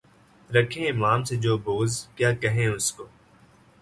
رکھے امام سے جو بغض، کیا کہیں اُس کو؟